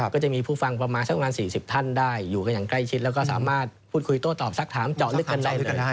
ก็จะมีผู้ฟังประมาณสักประมาณ๔๐ท่านได้อยู่กันอย่างใกล้ชิดแล้วก็สามารถพูดคุยโต้ตอบสักถามเจาะลึกกันได้เลย